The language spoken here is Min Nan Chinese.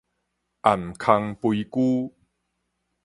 涵空肥龜